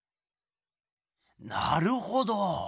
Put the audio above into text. なるほど！